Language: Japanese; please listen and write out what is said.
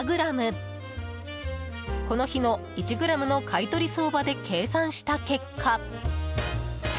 この日の１ｇの買い取り相場で計算した結果。